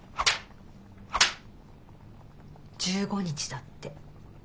１５日だって。